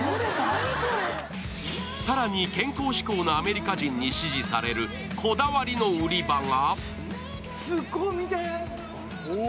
更に健康志向のアメリカ人に支持されるこだわりの売り場が。